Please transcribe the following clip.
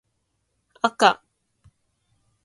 あか